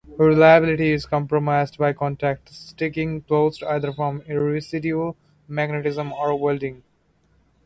Reliability is compromised by contacts sticking closed either from residual magnetism or welding.